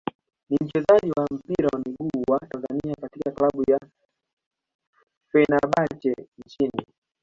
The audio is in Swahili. ni mchezaji wa mpira wa miguu wa Tanzania katika klabu ya Feberbahce nchini